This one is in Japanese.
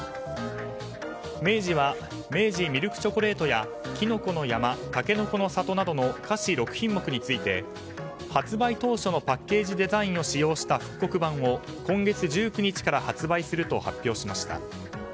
明治は明治ミルクチョコレートやきのこの山、たけのこの里などの菓子６品目について発売当初のパッケージデザインを使用した復刻版を今月１９日から発売すると発表しました。